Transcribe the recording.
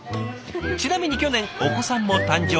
ちなみに去年お子さんも誕生。